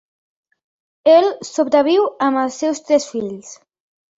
El sobreviu amb els seus tres fills.